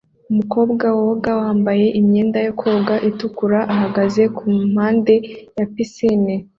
Umukobwa woga wambaye imyenda yo koga itukura ihagaze kumpande ya pisine